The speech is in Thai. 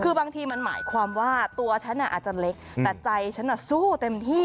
คือบางทีมันหมายความว่าตัวฉันอาจจะเล็กแต่ใจฉันสู้เต็มที่